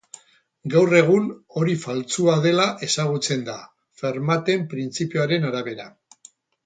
Gaur egun, hori faltsua dela ezagutzen da, Fermaten printzipioaren arabera.